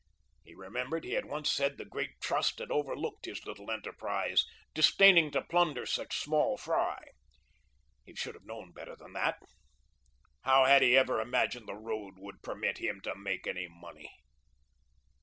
He remembered he had once said the great Trust had overlooked his little enterprise, disdaining to plunder such small fry. He should have known better than that. How had he ever imagined the Road would permit him to make any money?